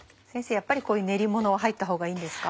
やっぱりこういう練りものは入ったほうがいいんですか？